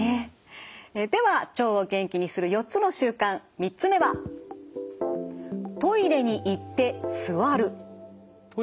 では「腸を元気にする４つの習慣」３つ目は「トイレに行って座る」